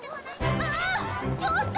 ちょっと！